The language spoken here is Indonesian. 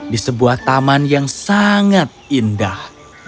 di sebuah taman yang sangat indah